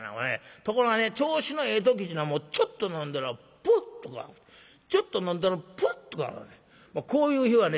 ところがね調子のええ時っちゅうのはちょっと飲んだらポッとかちょっと飲んだらプッとかこういう日はね